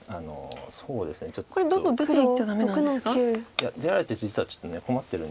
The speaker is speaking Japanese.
いや出られて実はちょっと困ってるんで。